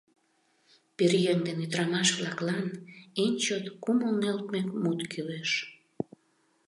«Пӧръеҥ ден ӱдырамаш-влаклан эн чот кумыл нӧлтмӧ мут кӱлеш.